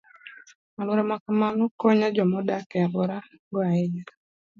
Alwora ma kamano konyo joma odak e alworago ahinya.